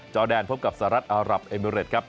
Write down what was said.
อแดนพบกับสหรัฐอารับเอมิเรตครับ